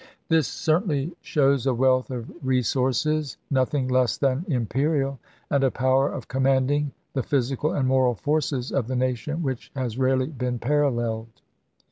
This certainly shows a wealth of resources noth ing less than imperial, and a power of commanding the physical and moral forces of the nation which has rarely been paralleled.